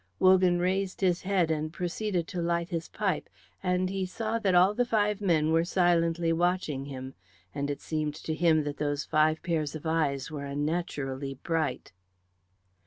Wogan raised his head and proceeded to light his pipe; and he saw that all the five men were silently watching him, and it seemed to him that those five pairs of eyes were unnaturally bright.